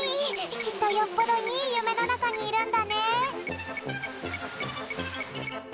きっとよっぽどいいゆめのなかにいるんだね。